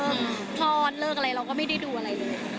พร้อมตลอดแบบเฮี้ยดูทอดเลิกอะไรเราก็ไม่ได้ดูอะไรเลยค่ะ